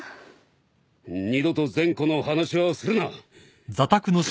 二度と善子の話はするな。